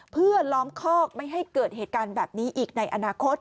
เพื่อล้อมคอกไม่ให้เกิดเหตุการณ์แบบนี้อีกในอนาคต